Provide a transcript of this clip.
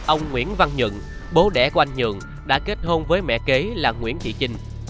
ông nguyễn văn nhận bố đẻ của anh nhượng đã kết hôn với mẹ kế là nguyễn chị trinh